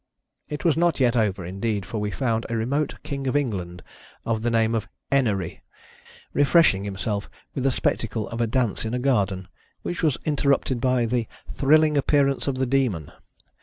It was not yet over, indeed, for we found a remote King of England, of the name of "Enerry," refreshing himself with the spectacle of a dance in a Garden, which was interrupted by the " thrilling appearance of the Demon."